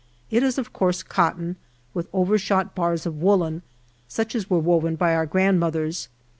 It is of coarse cotton, with overshot bars of woolen, such as were woven by our grandmothers.